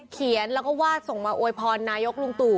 เขียนแล้วก็วาดส่งมาอวยพรนายกลุงตู่